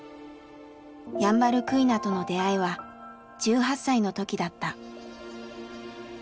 ヤンバルクイナとの出会いは１８歳の時だった。